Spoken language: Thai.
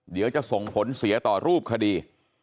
เดี๋ยวจะส่งผลเสียต่อรูปคดี